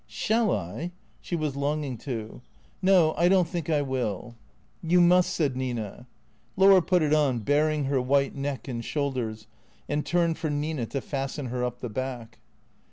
"Shall I?" She was longing to. "No, I don't think I will." " You must," said Nina. Laura put it on, baring her white neck and shoulders, and turned for Nina to " fasten her up the back."